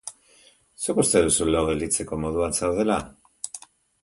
Zuk uste duzu lo gelditzeko moduan zaudela?